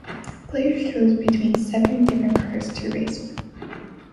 Players chose between seven different cars to race with.